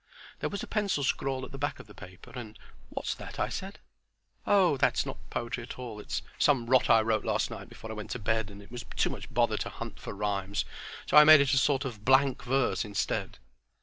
There was a pencil scrawl at the back of the paper and "What's that?" I said. "Oh that's not poetry 't all. It's some rot I wrote last night before I went to bed and it was too much bother to hunt for rhymes; so I made it a sort of a blank verse instead."